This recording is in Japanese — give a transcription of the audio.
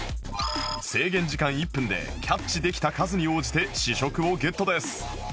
制限時間１分でキャッチできた数に応じて試食をゲットです